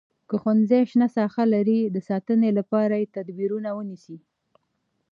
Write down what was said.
که ښوونځی شنه ساحه لري د ساتنې لپاره تدبیرونه ونیسئ.